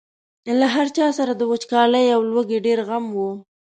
له هر چا سره د وچکالۍ او لوږې ډېر غم و.